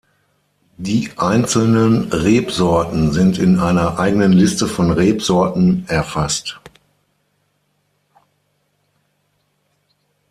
Die einzelnen Rebsorten sind in einer eigenen Liste von Rebsorten erfasst.